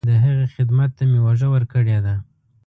د هغې خدمت ته مې اوږه ورکړې ده.